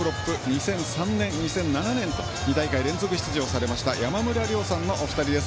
２００３年、２００７年と２大会連続出場されました山村亮さんのお二人です。